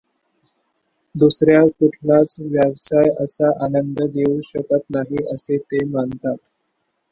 दुसरा कुठलाच व्यवसाय असा आनंद देऊ शकत नाही, असे ते मानतात.